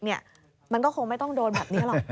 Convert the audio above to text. มันก็คงไม่ต้องโดนแบบนี้หรอก